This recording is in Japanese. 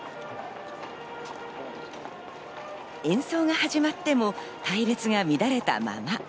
演奏が始まっても隊列が乱れたまま。